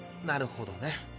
なるほどね。